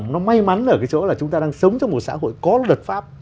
nó đang sống trong một xã hội có luật pháp